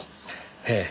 ええ。